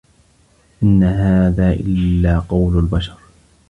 إِن هذا إِلّا قَولُ البَشَرِ